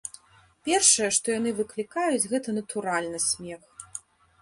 Першае, што яны выклікаюць, гэта, натуральна, смех.